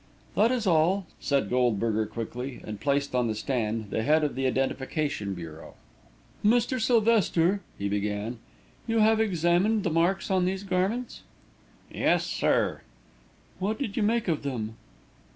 "That is all," said Goldberger, quickly, and placed on the stand the head of the Identification Bureau. "Mr. Sylvester," he began, "you have examined the marks on these garments?" "Yes, sir." "What did you make of them?"